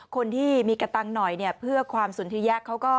คนที่มีกระตังค์หน่อยเนี่ยเพื่อความสนทิยะเขาก็